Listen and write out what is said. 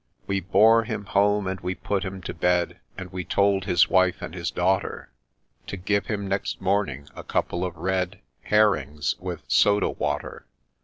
We bore him home, and we put him to bed, And we told his wife and his daughter To give him, next morning, a couple of red Herrings, with soda water.